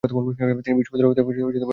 তিনি বিশ্ববিদ্যালয় হতে কোন নম্বর পান নি।